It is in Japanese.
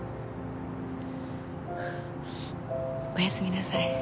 おやすみなさい。